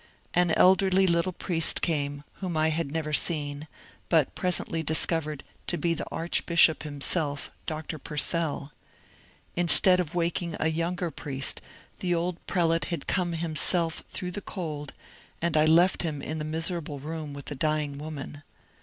An elderly little priest came, whom I had never seen, but presently discovered to be the archbishop himself, Dr. Purcell. Instead of waking a younger priest, the old pre late had come himself through the cold, and I left him in the miserable room with the dying woman.